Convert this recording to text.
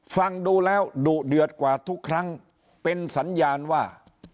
ฟังดูแล้วดุเดือดกว่าทุกครั้งเป็นสัญญาณว่า